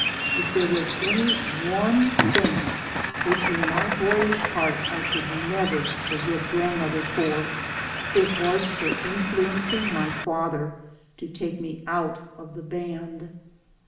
If there was any one thing which in my boyish heart I could never forgive grandmother for, it was her influencing my father to take me out of the band.